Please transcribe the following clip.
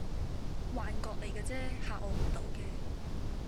幻覺嚟架啫，嚇我唔倒嘅